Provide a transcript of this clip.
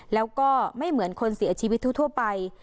แล้วก็ไม่เหมือนคนเสียชีวิตทั่วไป